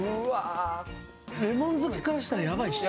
レモン好きからしたらやばいでしょ？